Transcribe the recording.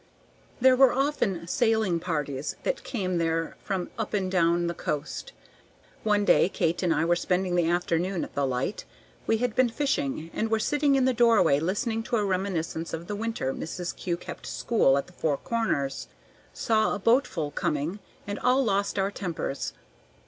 There were often sailing parties that came there from up and down the coast. One day Kate and I were spending the afternoon at the Light; we had been fishing, and were sitting in the doorway listening to a reminiscence of the winter Mrs. Kew kept school at the Four Corners; saw a boatful coming, and all lost our tempers.